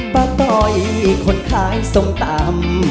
ป้าต่ออีกคนคลายส้มตำ